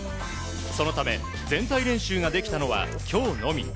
そのため全体練習ができたのは今日のみ。